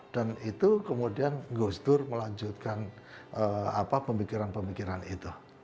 dan itu kemudian gustur melanjutkan pemikiran pemikiran itu